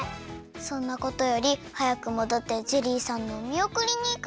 そんなことよりはやくもどってジェリーさんのおみおくりにいかなきゃ。